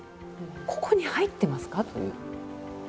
「ここに入ってますか？」という。